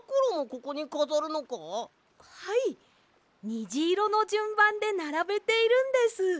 にじいろのじゅんばんでならべているんです。